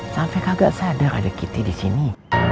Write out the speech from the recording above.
sampai kagak sadar ada kitty di sini